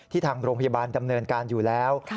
ทางโรงพยาบาลดำเนินการอยู่แล้ว